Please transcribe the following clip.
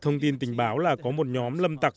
thông tin tình báo là có một nhóm lâm tặc